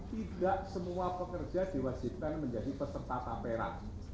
tidak semua pekerja diwajibkan menjadi peserta tapera